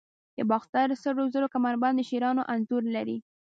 د باختر سرو زرو کمربند د شیرانو انځور لري